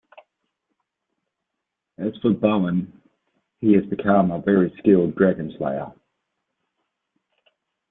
As for Bowen, he has become a very skilled dragonslayer.